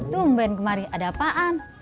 tumben kemarin ada apaan